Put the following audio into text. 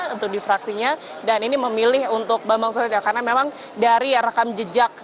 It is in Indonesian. untuk di fraksinya dan ini memilih untuk bambang susatyo karena memang dari rekam jejak